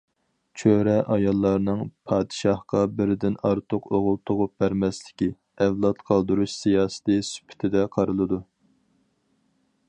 چۆرە ئاياللارنىڭ پادىشاھقا بىردىن ئارتۇق ئوغۇل تۇغۇپ بەرمەسلىكى، ئەۋلاد قالدۇرۇش سىياسىتى سۈپىتىدە قارىلىدۇ.